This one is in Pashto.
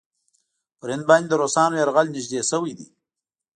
پر هند باندې د روسانو یرغل نېږدې شوی دی.